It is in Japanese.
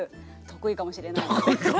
得意かもしれない。